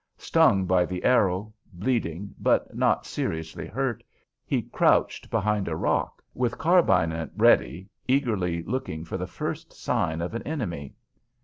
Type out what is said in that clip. Stung by the arrow, bleeding, but not seriously hurt, he crouched behind a rock, with carbine at ready, eagerly looking for the first sign of an enemy.